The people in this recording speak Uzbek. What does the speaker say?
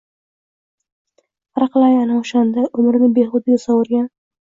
Harqalay ana o’shanda umrini behudaga sovurgan